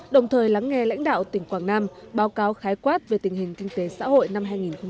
đồng thời lắng nghe lãnh đạo tỉnh quảng nam báo cáo khái quát về tình hình kinh tế xã hội năm hai nghìn một mươi tám